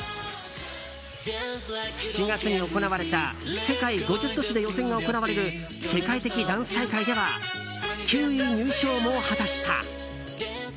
７月に行われた世界５０都市で予選が行われる世界的ダンス大会では９位入賞も果たした。